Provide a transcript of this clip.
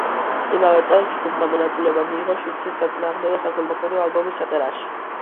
იმავე წელს ჯგუფმა მონაწილეობა მიიღო შიდსის საწინააღმდეგო საქველმოქმედო ალბომის ჩაწერაში.